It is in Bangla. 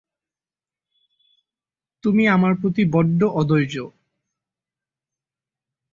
তুমি আমার প্রতি বড্ড অধৈর্য্য।